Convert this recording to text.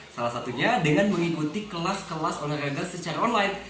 salah satunya dengan mengikuti kelas kelas olahraga secara online